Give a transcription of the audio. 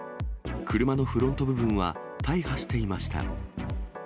車のフロント部分は大破していました。